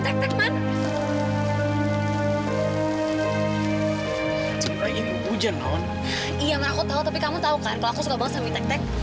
oh takut wajanon iya aku tahu tapi kamu tahu reguler suka banget